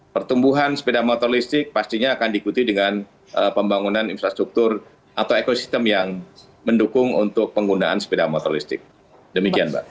pertumbuhan sepeda motor listrik pastinya akan diikuti dengan pembangunan infrastruktur atau ekosistem yang mendukung untuk penggunaan sepeda motor listrik demikian mbak